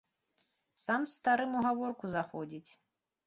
Сам з старым у гаворку заходзіць.